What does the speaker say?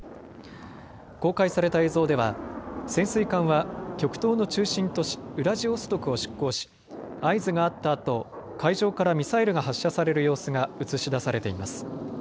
公開された映像では潜水艦は極東の中心都市ウラジオストクを出航し合図があったあと海上からミサイルが発射される様子が映し出されています。